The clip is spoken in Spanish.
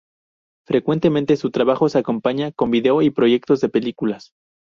Frecuentemente su trabajo se acompaña con vídeo y proyectos de películas.